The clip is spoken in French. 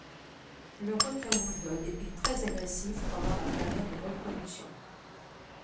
Le requin bouledogue est très agressif pendant la période de reproduction.